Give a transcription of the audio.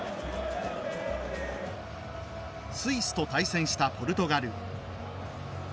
スイスと対戦したポルトガル。